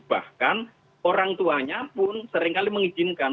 bahkan orang tuanya pun seringkali mengizinkan